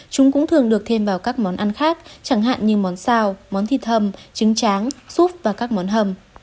chúng cũng thường được thêm vào các món ăn khác chẳng hạn như món sao món thịt thầm trứng tráng súp và các món hầm